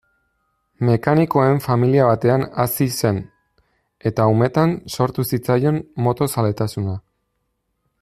Mekanikoen familia batean hazi zen, eta umetan sortu zitzaion moto-zaletasuna.